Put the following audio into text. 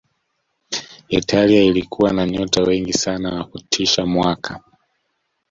italia ilikuwa na nyota wengi sana wa kutisha mwaka